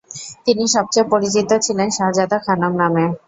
তিনি সবচেয়ে পরিচিত ছিলেন শাহজাদা খানম নামে।